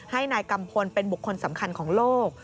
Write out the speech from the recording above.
ให้นายกัมพลเป็นบุคคลสำคัญของโลก